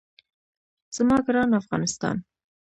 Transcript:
زما ګران افغانستان.